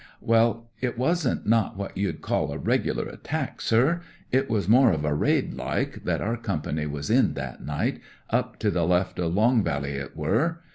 " Well, it wasn't not what you'd call a regler attack, sir, it was more of a raid, like, that our Company was in that night— up to the left o' Longyvally it were.